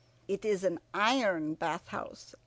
It is an iron bath house.